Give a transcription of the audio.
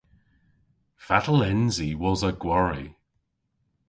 Fatel ens i wosa gwari?